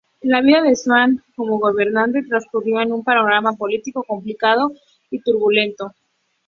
La vida de Dušan como gobernante transcurrió en un panorama político complicado y turbulento.